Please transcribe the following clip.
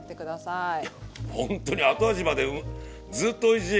いやほんとに後味までずっとおいしい。